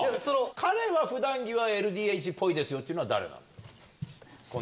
彼はふだん着はＬＤＨっぽいですよっていうのは、誰なの？